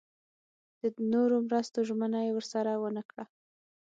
د نورو مرستو ژمنه یې ورسره ونه کړه.